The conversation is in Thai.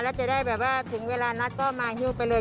แล้วจะได้แบบว่าถึงเวลานัดก็มาฮิ้วไปเลย